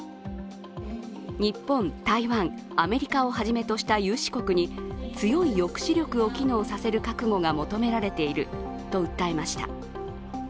日本、台湾、アメリカとはじめとした有志国に強い抑止力を機能させる覚悟が求められていると訴えました。